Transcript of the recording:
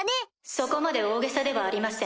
そこまで大げさではありません。